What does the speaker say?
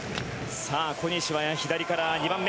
さあ、小西は左から２番目。